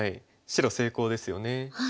白成功ですよね。